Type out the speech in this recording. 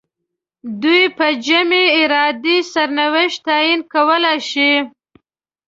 دوی په جمعي ارادې سرنوشت تعیین کولای شي.